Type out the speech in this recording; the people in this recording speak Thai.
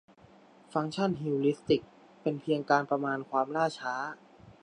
ฟังก์ชันฮิวริสติกเป็นเพียงการประมาณความล่าช้า